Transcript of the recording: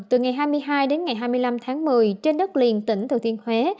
từ ngày hai mươi hai đến ngày hai mươi năm tháng một mươi trên đất liền tỉnh thừa thiên huế